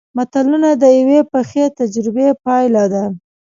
متلونه د یوې پخې تجربې پایله ده